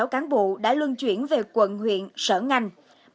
sáu trăm một mươi sáu cán bộ đã lươn chuyển về quận huyện sở ngành